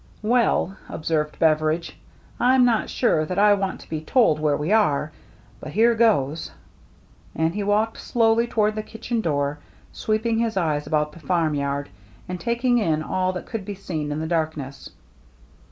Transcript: " Well," observed Beveridge, " I'm not sure that I want to be told where we are — but here goes !" And he walked slowly toward the kitchen door, sweeping his eyes about the farm yard and taking in all that could be seen in the darkness.